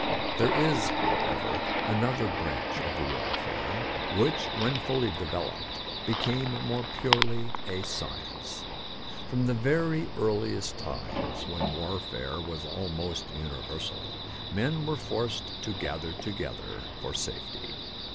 There is, however, another branch of warfare which, when fully developed, became more purely a science. From the very earliest times, when war fare was almost universal, men were forced to gather together for safety.